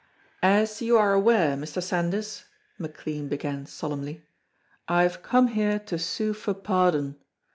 "As you are aware, Mr. Sandys," McLean began solemnly, "I have come here to sue for pardon.